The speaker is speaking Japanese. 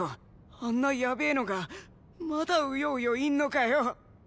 あんなやべえのがまだウヨウヨいんのかよ！？